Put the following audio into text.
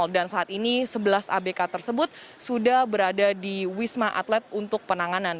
dan saat ini sebelas abk tersebut sudah berada di wisma atlet untuk penanganan